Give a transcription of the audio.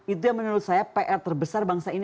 itu yang menurut saya pr terbesar bangsa ini